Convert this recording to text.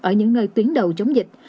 ở những nơi tuyến đầu chống dịch